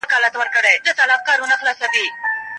پښتو په مینه او شوق سره زده کړه.